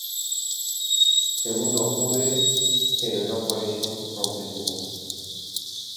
Segundo acude, pero no por ello rompe su voto.